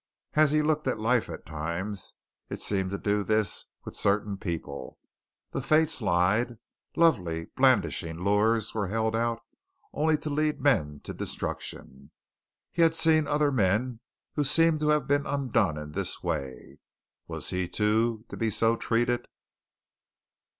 As he looked at life at times, it seemed to do this with certain people. The fates lied. Lovely, blandishing lures were held out only to lead men to destruction. He had seen other men who seemed to have been undone in this way. Was he to be so treated?